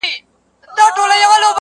o زما گراني مهرباني گلي .